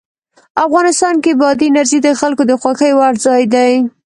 افغانستان کې بادي انرژي د خلکو د خوښې وړ ځای دی.